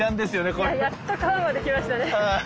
やっと川まで来ましたね。